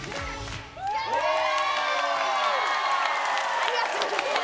ありがとうございます。